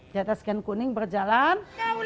di atas ken kuning berjalan